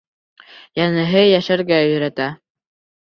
Йәнәһе, йәшәргә өйрәтә.